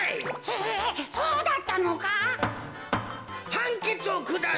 はんけつをくだす！